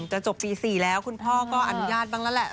จะจบปี๔แล้วคุณพ่อก็อนุญาตบ้างแล้วแหละ